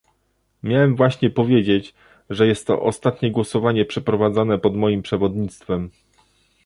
Miałem właśnie powiedzieć, że jest to ostatnie głosowanie przeprowadzane pod moim przewodnictwem